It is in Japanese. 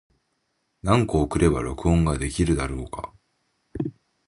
何個送れば録音ができるんだろうか。